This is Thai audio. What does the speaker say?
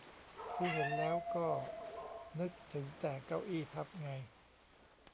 คือเห็นแล้วก็นึกถึงแต่เก้าอี้พับไง